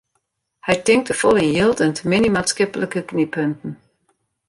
Hy tinkt te folle yn jild en te min yn maatskiplike knyppunten.